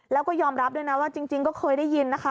แล้วก็ยอมรับด้วยนะว่าจริงก็เคยได้ยินนะคะ